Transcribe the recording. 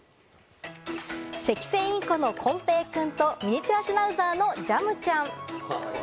セキセイインコのこんぺいくんと、ミニチュアシュナウザーのジャムちゃん。